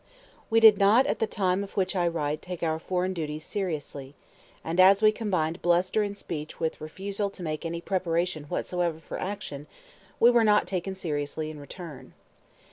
We did not at the time of which I write take our foreign duties seriously, and as we combined bluster in speech with refusal to make any preparation whatsoever for action, we were not taken seriously in return.